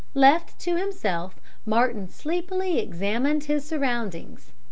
"Left to himself, Martin sleepily examined his surroundings.